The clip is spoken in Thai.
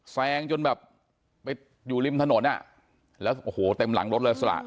แซงจนแบบไปอยู่ริมถนนอ่ะแล้วโอ้โหเต็มหลังรถเลยสละ